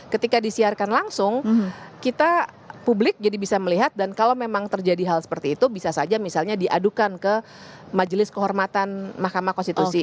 ketika disiarkan langsung kita publik jadi bisa melihat dan kalau memang terjadi hal seperti itu bisa saja misalnya diadukan ke majelis kehormatan mahkamah konstitusi